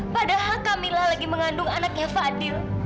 padahal kamilah lagi mengandung anaknya fadil